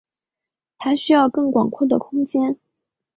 他需要更广阔的空间。